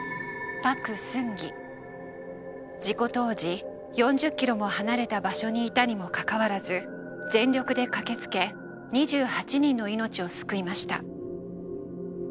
事故当時４０キロも離れた場所にいたにもかかわらず全力で駆けつけ２８人の命を救いました。